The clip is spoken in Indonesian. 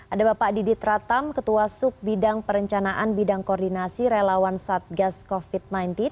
ada bapak didit ratam ketua sub bidang perencanaan bidang koordinasi relawan satgas covid sembilan belas